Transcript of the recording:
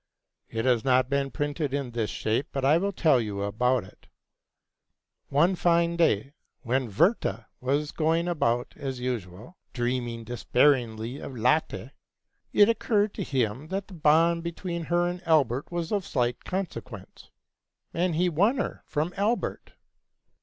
It has not been printed in this shape, but I will tell you about it. One fine day, when Werther was going about as usual, dreaming despairingly of Lotte, it occurred to him that the bond between her and Albert was of slight consequence, and he won her from Albert.